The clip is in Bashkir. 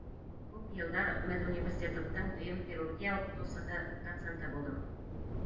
Күп йылдар медуниверситеттың дөйөм хирургия уҡытыусыһы, доценты булдым.